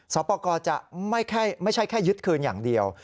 สอบประกอบจะไม่ใช่แค่ยึดคืนอย่างเดียว